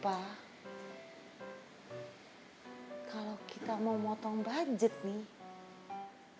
kalau kita mau motong budget nih